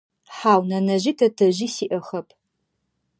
Хьау, нэнэжъи тэтэжъи сиӏэхэп.